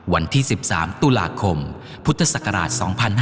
วันที่๑๓ตุลาคมพุทธศักราช๒๕๕๙